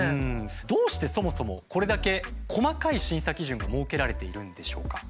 どうしてそもそもこれだけ細かい審査基準が設けられているんでしょうか？